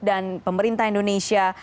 dan pemerintah indonesia